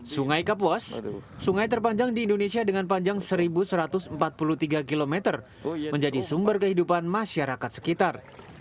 sungai kapuas sungai terpanjang di indonesia dengan panjang seribu satu ratus empat puluh tiga km menjadi sumber kehidupan masyarakat sekitar